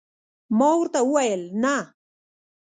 ما ورته وویل: نه.